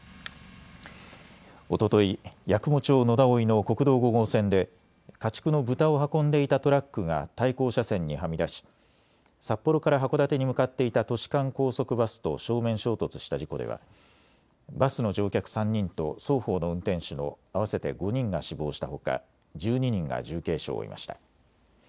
おととい、八雲町野田生の国道５号線で家畜の豚を運んでいたトラックが対向車線にはみ出し、札幌から函館に向かっていた都市間高速バスと正面衝突した事故ではバスの乗客３人と双方の運転手の合わせて５人が死亡したほか１２人が重軽傷を負いました。